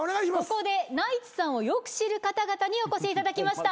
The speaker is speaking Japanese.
ここでナイツさんをよく知る方々にお越しいただきました。